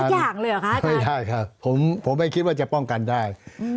อย่างเลยเหรอคะไม่ได้ครับผมผมไม่คิดว่าจะป้องกันได้อืม